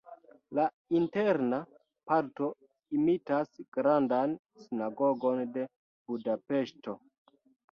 La interna parto imitas Grandan Sinagogon de Budapeŝto.